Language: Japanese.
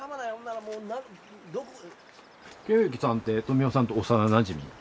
清幸さんって富男さんと幼なじみ？